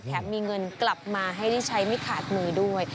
มีเงินกลับมาให้ได้ใช้ไม่ขาดมือด้วย